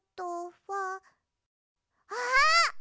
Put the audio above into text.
あっ！